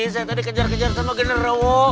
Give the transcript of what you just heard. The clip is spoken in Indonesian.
saya tadi kejar kejar sama generawo